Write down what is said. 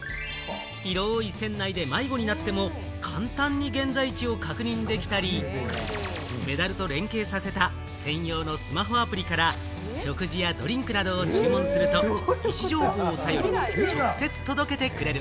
広い船内で迷子になっても簡単に現在地を確認できたり、メダルと連携させた専用のスマホアプリから、食事やドリンクなどを注文すると、位置情報を頼りに直接届けてくれる。